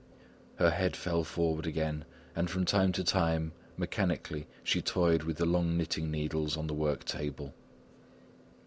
Her head fell forward again, and from time to time, mechanically, she toyed with the long knitting needles on the work table.